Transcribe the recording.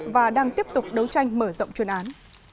và đang tiếp tục đấu tranh mở rộng chuyên án